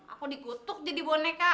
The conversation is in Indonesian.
aku dikutuk jadi boneka